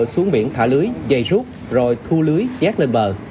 rút đổ xuống biển thả lưới dày rút rồi thu lưới chát lên bờ